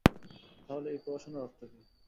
তাহলে এই প্রহসনের অর্থ কী?